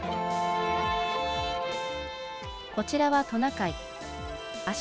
こちらはトナカイ。